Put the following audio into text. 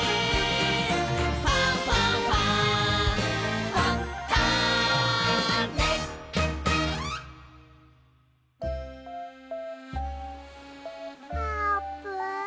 「ファンファンファン」あーぷん？